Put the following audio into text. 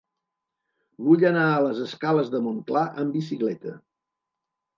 Vull anar a les escales de Montclar amb bicicleta.